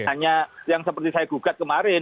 hanya yang seperti saya gugat kemarin